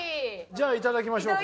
じゃあ頂きましょうか。